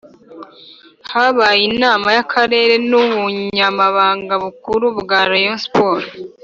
Habaye inama y Akarere n ubunyamabanga bukuru bwa rayon siporo